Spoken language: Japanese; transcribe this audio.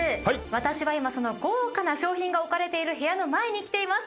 私は今その豪華な賞品が置かれている部屋の前に来ています。